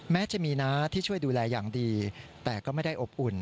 แม้จะมีน้าที่ช่วยดูแลอย่างดีแต่ก็ไม่ได้อบอุ่น